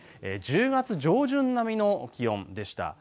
１０月上旬並みの気温でした。